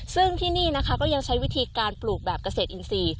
ซึ่งที่นี่นะคะก็ยังใช้วิธีการปลูกแบบเกษตรอินทรีย์